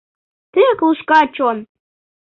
Тек лушка чон;